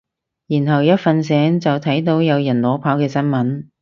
然後一瞓醒就睇到有人裸跑嘅新聞